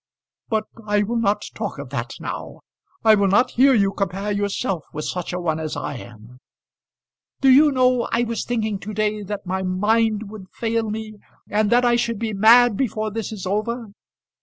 "But I will not talk of that now. I will not hear you compare yourself with such a one as I am. Do you know I was thinking to day that my mind would fail me, and that I should be mad before this is over?